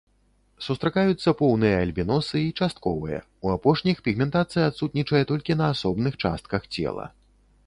Сустракаюцца поўныя альбіносы і частковыя, у апошніх пігментацыя адсутнічае толькі на асобных частках цела.